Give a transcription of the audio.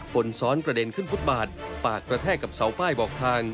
คนซ้อนกระเด็นขึ้นฟุตบาทปากกระแทกกับเสาป้ายบอกทาง